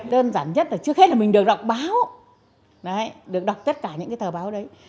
đơn giản nhất là trước hết là mình được đọc báo được đọc tất cả những cái tờ báo đấy